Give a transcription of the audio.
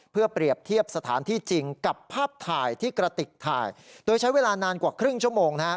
เพื่อเปรียบเทียบสถานที่จริงกับภาพถ่ายที่กระติกถ่ายโดยใช้เวลานานกว่าครึ่งชั่วโมงนะครับ